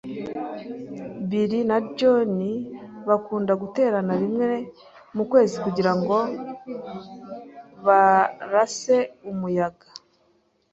Bill na John bakunda guterana rimwe mu kwezi kugirango barase umuyaga.